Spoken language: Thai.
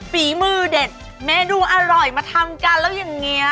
ฝีมือเด็ดเมนูอร่อยมาทำกันแล้วอย่างนี้